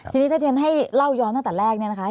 ทีนี้ถ้าเทียนให้เล่าย้อนตั้งแต่แรกเนี่ยนะคะ